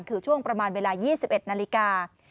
คือช่วงประมาณเวลา๒๑นาฬิกา